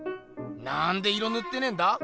なんで色ぬってねえんだ。